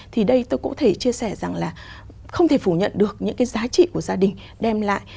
thì đây tôi có thể chia sẻ rằng là không thể phủ nhận được những cái giá trị của gia đình đem lại